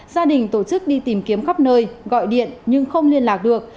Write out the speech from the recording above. gia đình tổ chức đi tìm kiếm khắp nơi gọi điện nhưng không liên lạc được